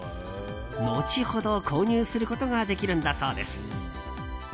後ほど購入することができるんだそうです。